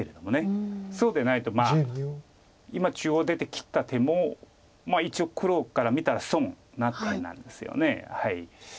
そうでないとまあ今中央出て切った手も一応黒から見たら損な手なんですよね。